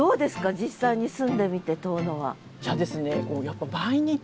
実際に住んでみて遠野は。